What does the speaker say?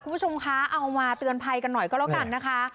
คุณผู้ชมคะเอามาเตือนภัยกันหน่อยก็แล้วกันนะคะ